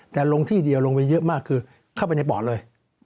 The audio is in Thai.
แต่ลงที่เดียวลงไปเยอะมากคือเข้าไปในปอดเลย